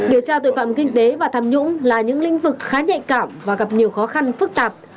điều tra tội phạm kinh tế và tham nhũng là những lĩnh vực khá nhạy cảm và gặp nhiều khó khăn phức tạp